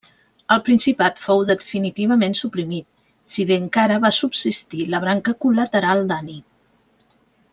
El principat fou definitivament suprimit si bé encara va subsistir la branca col·lateral d'Ani.